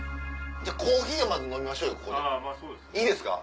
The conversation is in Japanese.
コーヒーをまず飲みましょうよいいですか？